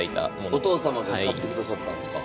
お父様が買ってくださったんすか？